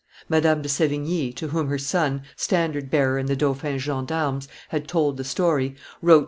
Madame de Sdvigne, to whom her son, standard bearer in the dauphin's gendarmes, had told the story, wrote to M.